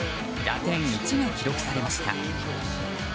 打点１が記録されました。